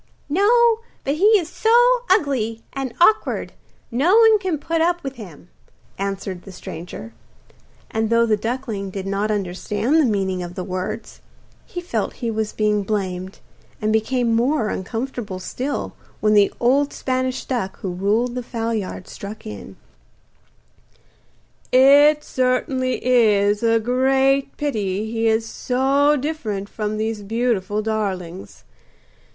'No; but he is so ugly and awkward no one can put up with him,' answered the stranger. And though the duckling did not understand the meaning of the words, he felt he was being blamed, and became more uncomfortable still when the old Spanish duck who ruled the fowlyard struck in: 'It certainly is a great pity he is so different from these beautiful darlings.